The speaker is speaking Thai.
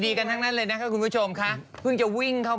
ดีกันทั้งนั้นเลยนะครับคุณผู้ชมค่ะ